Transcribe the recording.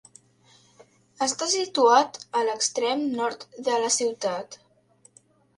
Està situat a l'extrem nord de la ciutat.